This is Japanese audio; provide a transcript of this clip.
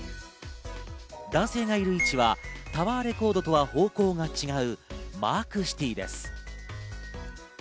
男性がいる位置はタワーレコードとは方向が違うマークシティです。